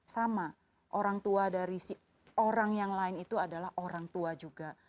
sama orang tua dari orang yang lain itu adalah orang tua juga